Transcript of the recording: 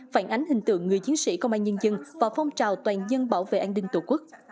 phản ánh hình tượng người chiến sĩ công an nhân dân và phong trào toàn dân bảo vệ an ninh tổ quốc